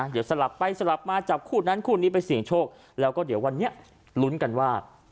เดี๋ยวสลับไปสลับมาจับคู่นั้นคู่นี้ไปเสี่ยงโชคแล้วก็เดี๋ยววันนี้ลุ้นกันว่า